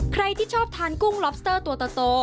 ใครที่ชอบทานกุ้งล็อบสเตอร์ตัวโต